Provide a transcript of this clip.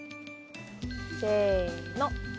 せの。